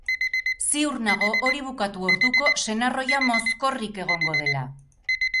Ziur dago hori bukatu orduko senar ohia mozkorrik egongo dela.